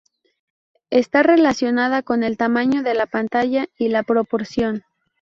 Está relacionada con el tamaño de la pantalla y la proporción.